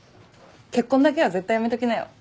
結婚だけは絶対やめときなよ。